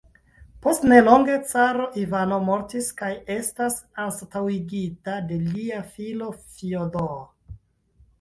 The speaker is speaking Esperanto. Post nelonge caro Ivano mortis kaj estas anstataŭigita de lia filo Fjodor.